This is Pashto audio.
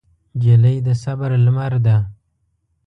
نجلۍ د صبر لمر ده.